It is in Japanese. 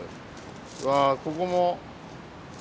うわここも。